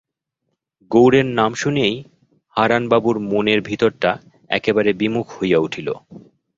গৌরের নাম শুনিয়াই হারানবাবুর মনের ভিতরটা একেবারে বিমুখ হইয়া উঠিল।